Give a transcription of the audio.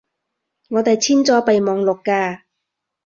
我哋簽咗備忘錄㗎